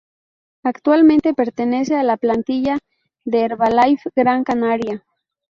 Actualmente pertenece a la plantilla del Herbalife Gran Canaria.